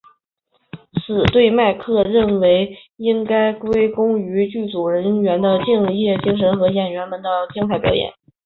对此麦克认为应该归功于剧组人员的敬业精神和演员们的精彩表演。